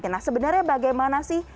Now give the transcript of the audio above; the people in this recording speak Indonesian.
nah sebenarnya bagaimana sih